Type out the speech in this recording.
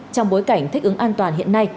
trong bối cảnh thích ứng an toàn hiện nay